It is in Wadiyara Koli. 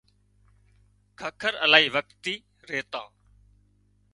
ککر الاهي وکت ٿي ريتان